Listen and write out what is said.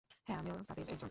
হ্যাঁ, আমিও তাদের একজন।